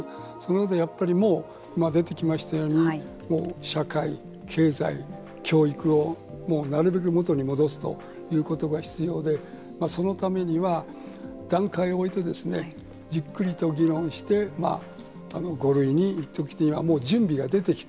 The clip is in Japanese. やっぱり出てきましたように社会、経済、教育をなるべく元に戻すということが必要でそのためには段階を置いてじっくりと議論して５類に行くにはもう準備が出てきて